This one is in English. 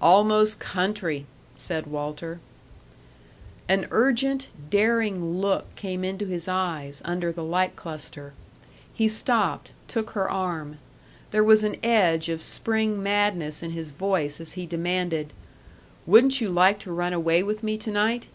"Almost country," said Walter. An urgent, daring look came into his eyes, under the light cluster. He stopped, took her arm. There was an edge of spring madness in his voice as he demanded, "Wouldn't you like to run away with me to night?